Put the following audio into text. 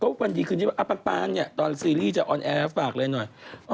ก็ว่าวันดีคืนนี้ปันตอนซีรีส์จะออนแอร์ฟากเลยหน่อย